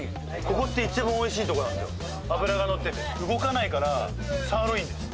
ここって動かないからサーロインです